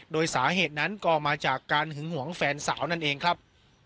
โดยสาเหตุนั้นก็มาจากการหึงหวงแฟนสาวนั่นเองครับ